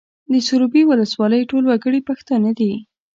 د سروبي ولسوالۍ ټول وګړي پښتانه دي